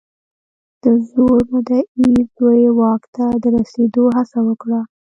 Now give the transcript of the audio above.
د زوړ مدعي زوی واک ته د رسېدو هڅه وکړه.